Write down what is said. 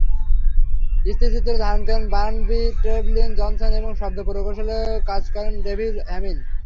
স্থিরচিত্র ধারণ করেন বার্নাবি ট্রেভলিন-জনসন এবং শব্দ প্রকৌশলীর কাজ করেন ডেভিড হ্যামিল।